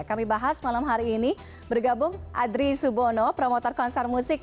kami bahas malam hari ini bergabung adri subono promotor konser musik